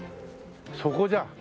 そこじゃん。